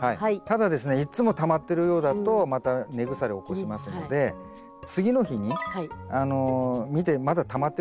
ただですねいつもたまってるようだとまた根腐れ起こしますので次の日に見てまだたまってるようだったら。